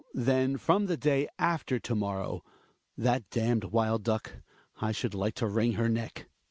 then from tV|e dav after to morrow. T h at damned w^ld duck, I should, like to wring her neck.